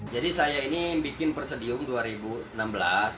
jadi saya ini bikin persedium dua ribu enam belas